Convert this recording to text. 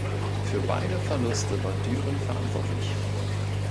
Für beide Verluste war Düren verantwortlich.